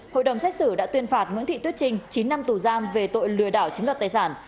hội đồng xét xử đã tuyên phạt nguyễn thị tuyết trinh chín năm tù giam về tội lừa đảo chiếm đoạt tài sản